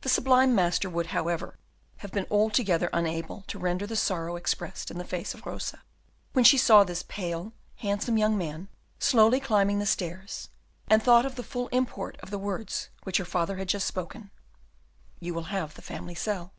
The sublime master would, however, have been altogether unable to render the sorrow expressed in the face of Rosa, when she saw this pale, handsome young man slowly climbing the stairs, and thought of the full import of the words, which her father had just spoken, "You will have the family cell."